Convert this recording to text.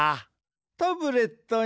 タブレットン